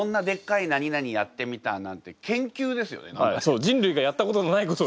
人類がやったことのないことを。